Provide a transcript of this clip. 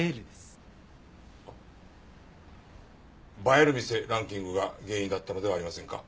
「映える店ランキング」が原因だったのではありませんか？